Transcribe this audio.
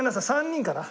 ３人かな。